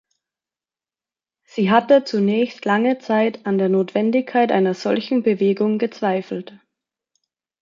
Sie hatte zunächst lange Zeit an der Notwendigkeit einer solchen Bewegung gezweifelt.